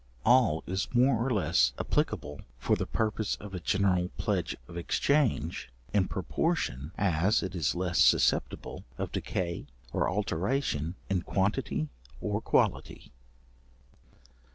All is more or less applicable for the purpose of a general pledge of exchange, in proportion as it is less susceptible of decay or alteration in quantity or quality.